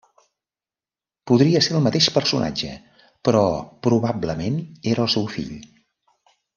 Podria ser el mateix personatge però probablement era el seu fill.